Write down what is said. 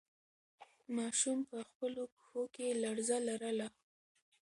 ماشوم په خپلو پښو کې لړزه لرله.